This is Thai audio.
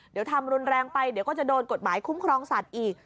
เดี๋ยวทำรุนแรงไปเดี๋ยวก็จะโดนกฎหมายคุ้มครองสัตว์อีก